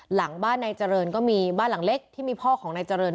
หลังบ้านนายเจริญก็มีบ้านหลังเล็กที่มีพ่อของนายเจริญ